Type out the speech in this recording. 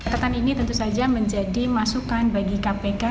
ketan ini tentu saja menjadi masukan bagi kpk